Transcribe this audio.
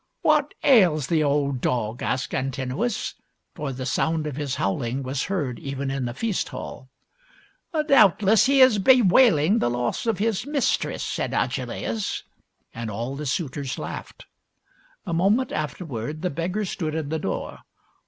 " What ails the old dog ?" asked Antinous ; for the sound of his howling was heard even in the feast hall. " Doubtless he is bewailing the loss of his mis tress," said Agelaus; and all the suitors laughed. A moment afterward the beggar stood in the door.